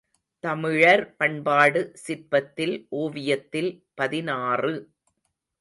தமிழர் பண்பாடு சிற்பத்தில் ஓவியத்தில் பதினாறு .